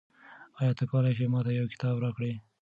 آیا ته کولای سې ما ته یو کتاب راکړې؟